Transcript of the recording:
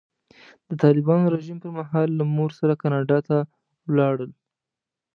د طالبانو رژیم پر مهال له مور سره کاناډا ته ولاړل.